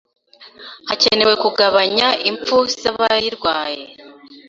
hakenewe kugabanya impfu zabayirwaye